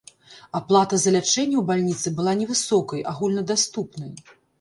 Аплата за лячэнне ў бальніцы была невысокай, агульнадаступнай.